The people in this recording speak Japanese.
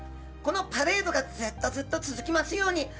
このパレードが、ずっとずっと続きますように。